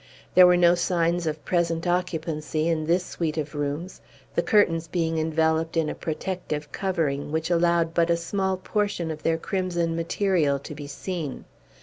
There were no signs of present occupancy in this suite of rooms; the curtains being enveloped in a protective covering, which allowed but a small portion of their crimson material to be seen.